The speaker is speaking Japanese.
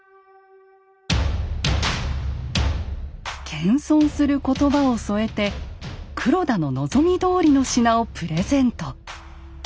謙遜する言葉を添えて黒田の望みどおりの品をプレゼント。